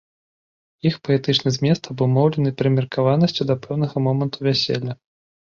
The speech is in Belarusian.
Іх паэтычны змест абумоўлены прымеркаванасцю да пэўнага моманту вяселля.